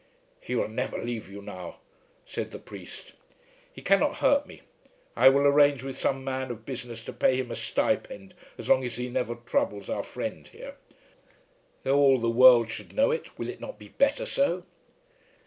"He will never leave you now," said the priest. "He cannot hurt me. I will arrange with some man of business to pay him a stipend as long as he never troubles our friend here. Though all the world should know it, will it not be better so?"